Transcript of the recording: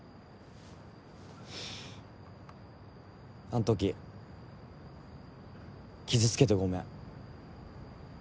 あん時傷つけてごめん。